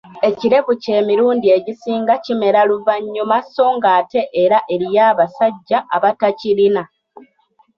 Ekirevu kyo emilundi egisinga kimera luvanyuma so ng'ate era eriyo abasajja abatakirina